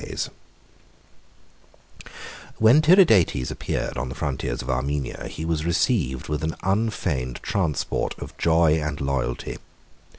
] When Tiridates appeared on the frontiers of Armenia, he was received with an unfeigned transport of joy and loyalty.